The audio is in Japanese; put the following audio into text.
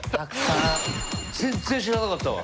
全然知らなかったわ。